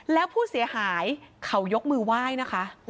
แล้วผู้เสียหายเขายกมือไหว้นะคะ